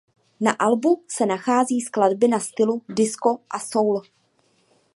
Na albu se nachází skladby na stylu disco a soul.